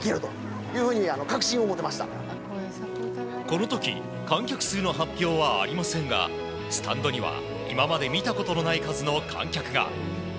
この時観客数の発表はありませんがスタンドには今まで見たことのない数の観客が。